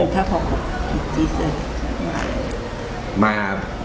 มาประเทศไทยนี่อยู่ตั้งแต่ปี